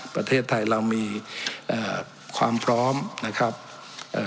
ประเทศไทยเรามีเอ่อความพร้อมนะครับเอ่อ